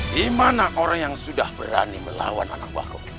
di mana orang yang sudah berani melawan anak baru